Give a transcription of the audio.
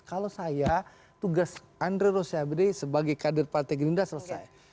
kalau saya tugas andre rosiade sebagai kader partai gerindra selesai